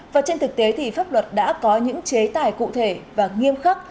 và trên thực tế thì pháp luật đã có những chế tài cụ thể và nghiêm khắc